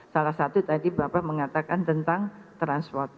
salah satu tadi bapak mengatakan tentang transport